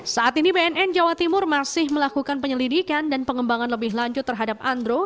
saat ini bnn jawa timur masih melakukan penyelidikan dan pengembangan lebih lanjut terhadap andro